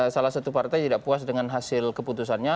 salah satu partai tidak puas dengan hasil keputusannya